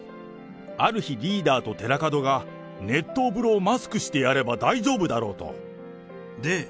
ある日、リーダーと寺門が、熱湯風呂をマスクしてやれば大丈夫だろうと。